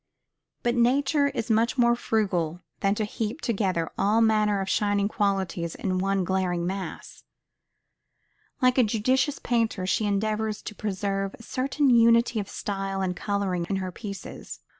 But nature is much more frugal than to heap together all manner of shining qualities in one glaring mass. Like a judicious painter, she endeavors to preserve a certain unity of style and coloring in her pieces.